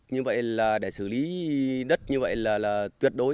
như vậy là để xử lý đất như vậy là tuyệt đối